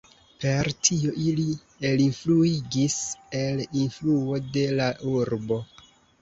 Per tio ili elinfluigis el influo de la urbo.